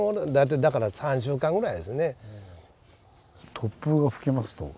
突風が吹きますと。